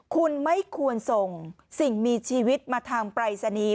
คุณไม่ควรส่งสิ่งมีชีวิตมาทางปรายศนีย์